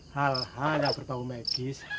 hal hal yang berbau medis